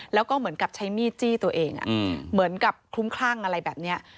แล้วก็เหมือนกับใช้มีดจี้ตัวเองเหมือนกับคลุ้มคลั่งอะไรแบบนี้